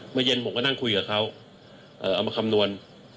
เมื่อเย็นผมก็นั่งคุยกับเขาเอามาคำนวณ